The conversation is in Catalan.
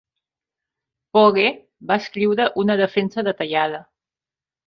Pogge va escriure una defensa detallada.